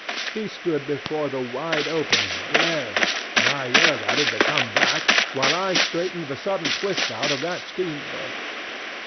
He stood before the wide opening, glaring, and I yelled at him to come back, while I straightened the sudden twist out of that steamboat.